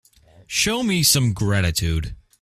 Show me some gratitude.